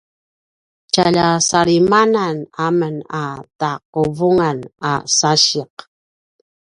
tjalja salimanan amen a taquvungan a sasiq